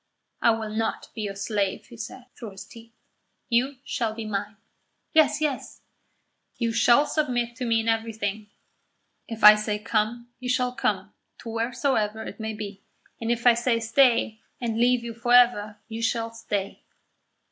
"I will not be your slave," he said, through his teeth. "You shall be mine." "Yes, yes." "You shall submit to me in everything. If I say 'come,' you shall come to wheresoever it may be; and if I say 'stay,' and leave you for ever, you shall stay."